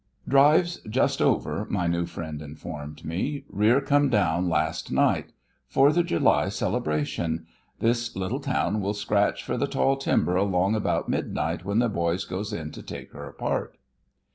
"Drive's just over," my new friend informed me. "Rear come down last night. Fourther July celebration. This little town will scratch fer th' tall timber along about midnight when the boys goes in to take her apart."